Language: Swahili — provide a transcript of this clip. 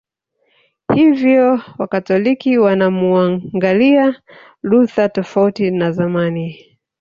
Hivyo Wakatoliki wanamuangalia Luther tofauti na zamani